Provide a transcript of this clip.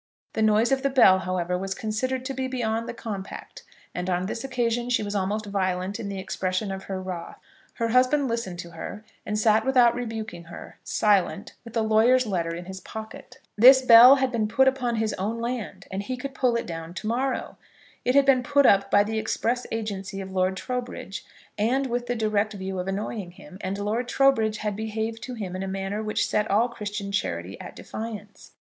The noise of the bell however, was considered to be beyond the compact, and on this occasion she was almost violent in the expression of her wrath. Her husband listened to her, and sat without rebuking her, silent, with the lawyer's letter in his pocket. This bell had been put up on his own land, and he could pull it down to morrow. It had been put up by the express agency of Lord Trowbridge, and with the direct view of annoying him; and Lord Trowbridge had behaved to him in a manner which set all Christian charity at defiance.